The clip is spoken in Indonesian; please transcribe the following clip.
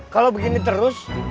kalau begini terus